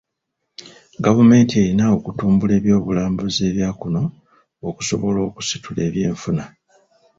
Gavumenti erina okutumbula ebyobulambuzi ebya kuno okusobola okusitula ebyenfuna.